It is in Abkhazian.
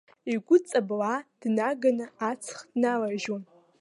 Игәы ҵаблаа днаганы аҵх дналарыжьуан.